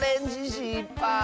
しっぱい。